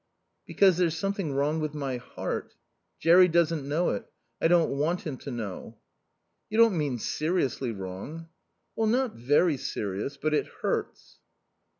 "Because there's something wrong with my heart. Jerry doesn't know it. I don't want him to know." "You don't mean seriously wrong?" "Not very serious. But it hurts."